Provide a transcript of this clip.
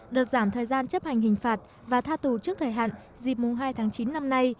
đợt giảm thời gian chấp hành hình phạt và tha tù trước thời hạn dịp mùng hai tháng chín năm nay